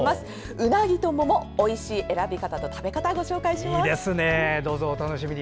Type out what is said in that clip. うなぎと桃おいしい選び方と食べ方をどうぞお楽しみに。